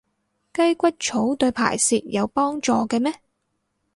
雞骨草對排泄有幫助嘅咩？